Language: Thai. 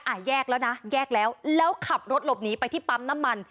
อ่ะแยกแล้วนะแยกแล้วแล้วขับรถหลบหนีไปที่ปั๊มน้ำมัน